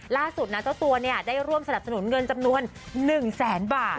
ล่าสุดนะเจ้าตัวเนี่ยได้ร่วมสนับสนุนเงินจำนวน๑แสนบาท